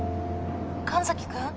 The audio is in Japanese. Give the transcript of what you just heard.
神崎君！？